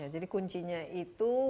jadi kuncinya itu